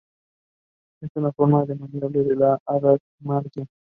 Es una forma más maleable de adamantium.